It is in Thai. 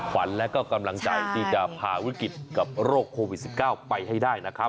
ขวัญและก็กำลังใจที่จะผ่าวิกฤตกับโรคโควิด๑๙ไปให้ได้นะครับ